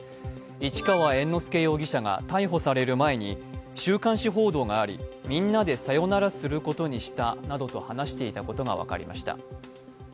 市川猿之助容疑者が逮捕される前に週刊誌報道があり、みんなでさよなるすることにしたなどと話していたことが分かりました。